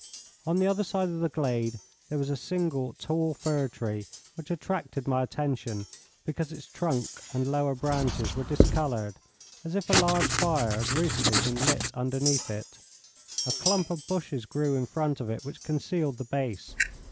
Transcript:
On the other side of the glade there was a single tall fir tree which attracted my attention because its trunk and lower branches were discoloured, as if a large fire had recently been lit underneath it. A clump of bushes grew in front of it which concealed the base.